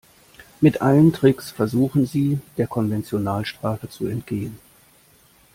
Mit allen Tricks versuchen sie, der Konventionalstrafe zu entgehen.